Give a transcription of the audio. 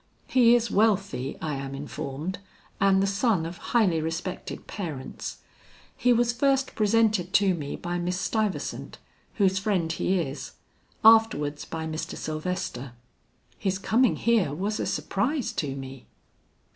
He is wealthy, I am informed, and the son of highly respected parents. He was first presented to me by Miss Stuyvesant, whose friend he is, afterwards by Mr. Sylvester. His coming here was a surprise to me."